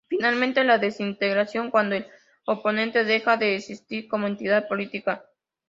Finalmente, la "desintegración", cuando el oponente deja de existir como entidad política.